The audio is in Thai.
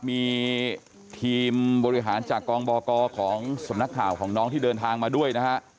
มีทีมบริหารจากกองบกของสำนักข่าวของน้องที่เดินทางมาด้วยนะฮะ